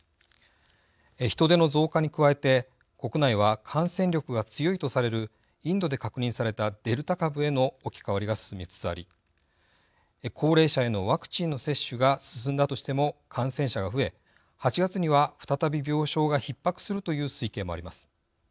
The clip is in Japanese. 人出の増加に加えて国内は感染力が強いとされるインドで確認されたデルタ株への置き換わりが進みつつあり高齢者へのワクチンの接種が進んだとしても、感染者が増え８月には再び病床がひっ迫するという推計もあります。